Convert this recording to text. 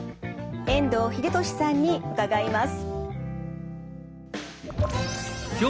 遠藤英俊さんに伺います。